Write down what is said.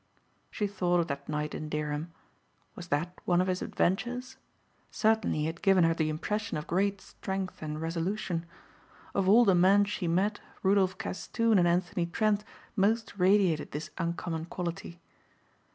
She thought of that night in Dereham. Was that one of his adventures? Certainly he had given her the impression of great strength and resolution. Of all the men she met Rudolph Castoon and Anthony Trent most radiated this uncommon quality.